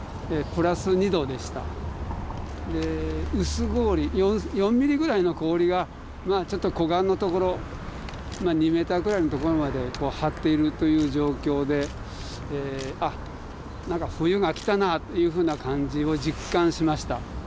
薄氷４ミリぐらいの氷がちょっと湖岸のところ２メートルくらいのところまで張っているという状況であっ冬が来たなというふうな感じを実感しました。